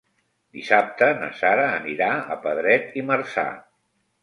Dissabte na Sara anirà a Pedret i Marzà.